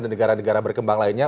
dan negara negara berkembang lainnya